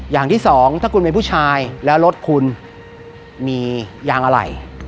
อย่างที่สองถ้าคุณเป็นผู้ชายแล้วรถคุณมียางอะไร